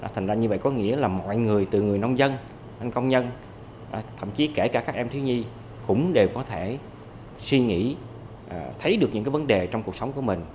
thành ra như vậy có nghĩa là mọi người từ người nông dân anh công nhân thậm chí kể cả các em thiếu nhi cũng đều có thể suy nghĩ thấy được những vấn đề trong cuộc sống của mình